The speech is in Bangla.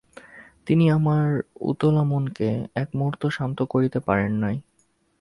তিনি আমার উতলা মনকে এক মুহূর্ত শান্ত করিতে পারেন নাই।